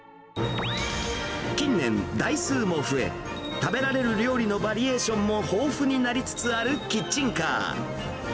近年、台数も増え、食べられる料理のバリエーションも豊富になりつつあるキッチンカー。